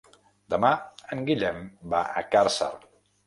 Demà en Guillem va a Càrcer.